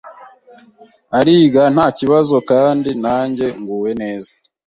ariga nta kibazo kandi nanjye nguwe neza